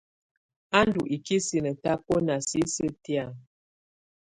A ndù ikisinǝ tabɔna sisiǝ́ tɛ̀á.